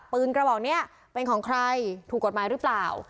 กระบอกนี้เป็นของใครถูกกฎหมายหรือเปล่า